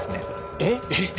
えっ？